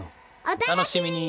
お楽しみに！